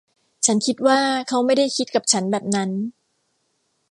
ฉันคิดว่าเค้าไม่ได้คิดกับฉันแบบนั้น